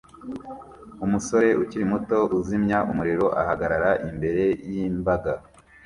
Umusore ukiri muto uzimya umuriro ahagarara imbere yimbaga